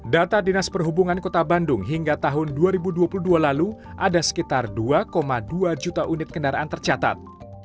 data dinas perhubungan kota bandung hingga tahun dua ribu dua puluh dua lalu ada sekitar dua dua juta unit kendaraan tercatat